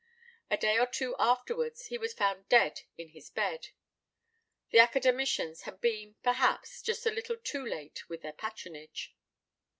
A day or two afterwards he was found dead in his bed. The Academicians had been, perhaps, just a little too late with their patronage.